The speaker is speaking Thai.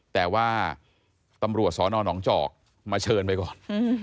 แต่ว่าตำรวจสอนอนหนองจอกมาเชิญไปก่อน